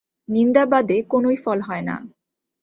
নিন্দাবাদে কোনই ফল হয় না।